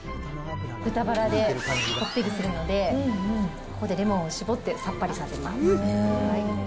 豚ばらでこってりするので、ここでレモンを搾ってさっぱりさせます。